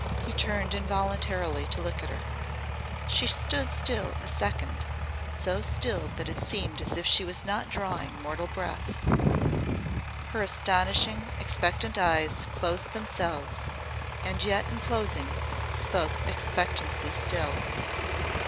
He turned involuntarily to look at her. She stood still a second so still that it seemed as if she was not drawing mortal breath. Her astonishing, expectant eyes closed themselves, and yet in closing spoke expectancy still.